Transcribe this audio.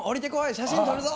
写真を撮るぞ！